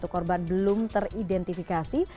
satu korban belum teridentifikasi